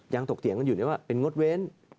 ยังตกเตียงกันอยู่ในว่าเป็นงดเว้น